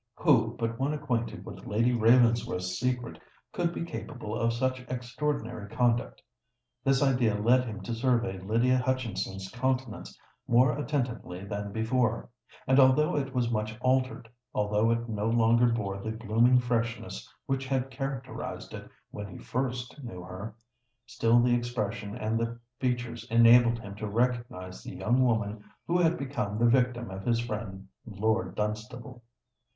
Who but one acquainted with Lady Ravensworth's secret could be capable of such extraordinary conduct? This idea led him to survey Lydia Hutchinson's countenance more attentively than before;—and, although it was much altered,—although it no longer bore the blooming freshness which had characterised it when he first knew her,—still the expression and the features enabled him to recognise the young woman who had become the victim of his friend Lord Dunstable.